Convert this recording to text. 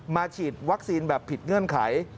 ฉีดวัคซีนแบบผิดเงื่อนไข